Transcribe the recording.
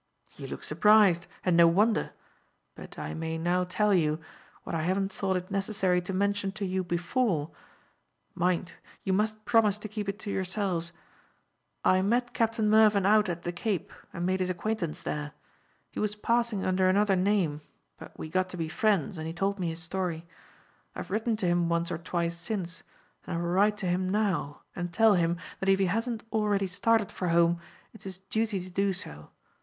You look surprised, and no wonder; but I may now tell you, what I haven't thought it necessary to mention to you before mind, you must promise to keep it to yourselves I met Captain Mervyn out at the Cape, and made his acquaintance there. He was passing under another name, but we got to be friends, and he told me his story. I have written to him once or twice since, and I will write to him now and tell him that if he hasn't already started for home, it's his duty to do so.